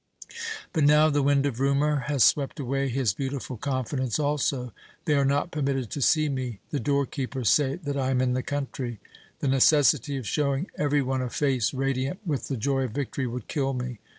But now the wind of rumour has swept away his beautiful confidence also. They are not permitted to see me. The doorkeepers say that I am in the country. The necessity of showing every one a face radiant with the joy of victory would kill me.